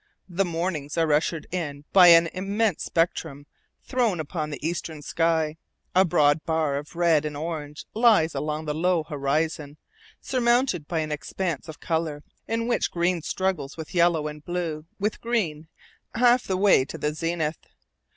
The mornings are ushered in by an immense spectrum thrown upon the eastern sky. A broad bar of red and orange lies along the low horizon, surmounted by an expanse of color in which green struggles with yellow and blue with green half the way to the zenith.